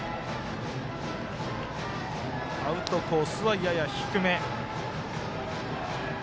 アウトコースはやや低め。